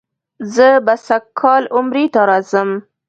زه به سږ کال عمرې ته راځم.